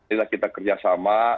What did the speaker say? ini lah kita kerjasama